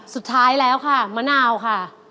สุดท้ายแล้วค่ะมะนาวค่ะ